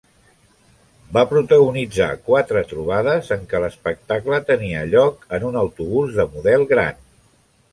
Va protagonitzar quatre trobades en què l'espectacle tenia lloc en un autobús de model gran.